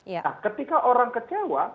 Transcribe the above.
nah ketika orang kecewa